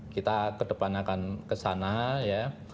kita ke depan akan kesana ya